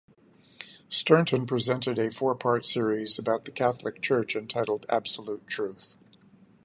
Stourton presented a four-part series about the Catholic church, entitled "Absolute Truth".